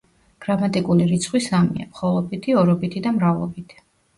გრამატიკული რიცხვი სამია: მხოლობითი, ორობითი და მრავლობითი.